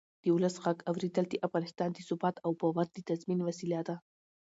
د ولس غږ اورېدل د افغانستان د ثبات او باور د تضمین وسیله ده